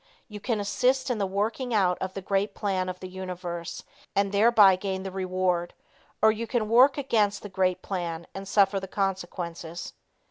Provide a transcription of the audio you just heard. You can assist in the working out of the great plan of the universe and thereby gain the reward, or you can work against the great plan and suffer the consequences.